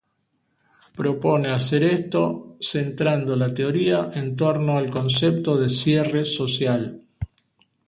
Propone hacer esto centrando la teoría en torno al concepto de cierre social.